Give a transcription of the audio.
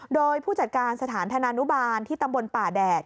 โดยผู้จัดการสถานธนานุบาลที่ตำบลป่าแดด